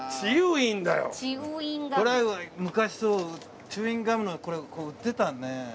これは昔チューインガムの売ってたね。